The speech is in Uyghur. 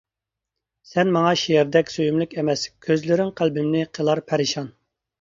سەن ماڭا شېئىردەك سۆيۈملۈك ئەمەس، كۆزلىرىڭ قەلبىمنى قىلار پەرىشان.